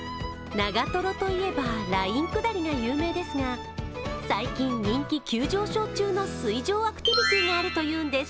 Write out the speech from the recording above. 長瀞といえばライン下りが有名ですが最近、人気急上昇中の水上アクティビティーがあるというんです。